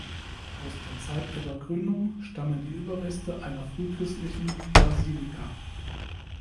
Aus der Zeit ihrer Gründung stammen die Überreste einer frühchristlichen Basilika.